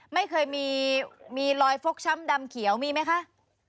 ไม่เคยมีรอยฟกช้ำดำเขียวมีไหมคะ